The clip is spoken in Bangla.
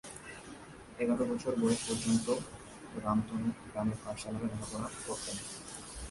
এগারো বছর বয়স পর্যন্ত রামতনু গ্রামের পাঠশালায় লেখাপড়া করেন।